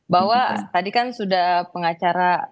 bahwa tadi kan sudah pengacara dan pengacara